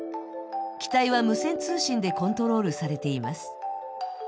機体は無線通信でコントロールされています。